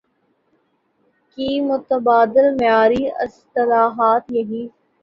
کی متبادل معیاری اصطلاحات یہی